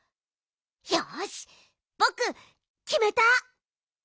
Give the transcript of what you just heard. よしぼくきめた！